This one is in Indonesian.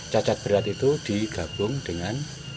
cacat berat itu digabung dengan